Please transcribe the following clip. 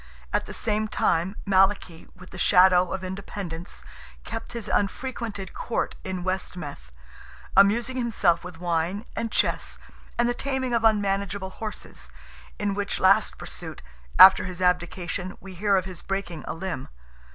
At the same time Malachy, with the shadow, of independence, kept his unfrequented court in West Meath, amusing himself with wine and chess and the taming of unmanageable horses, in which last pursuit, after his abdication, we hear of his breaking a limb.